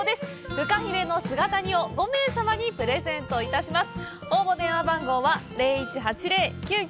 フカヒレの姿煮を５名様にプレゼントいたします。